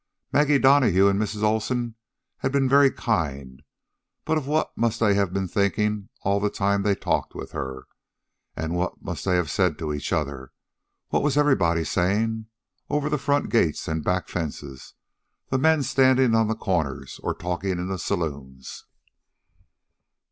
Maggie Donahue and Mrs. Olsen had been very kind, but of what must they have been thinking all the time they talked with her? And what must they have said to each other? What was everybody saying? over front gates and back fences, the men standing on the corners or talking in saloons?